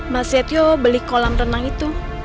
mas setio beli kolam renang itu